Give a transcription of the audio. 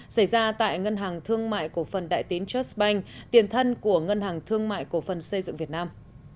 xảy ra tại ngân hàng thương mại cổ phần đại tín trustbank tiền thân của ngân hàng thương mại cổ phần xây dựng việt nam